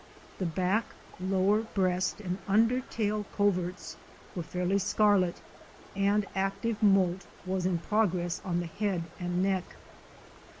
The back, lower breast and under tail coverts were fairly scarlet and active moult was in progress on the head and neck.